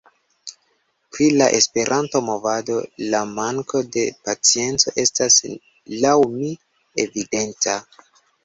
Pri la Esperanto-movado, la manko de pacienco estas laŭ mi evidenta.